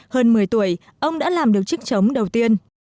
hơn một mươi tuổi ông đã làm được chiếc trống đầu tiên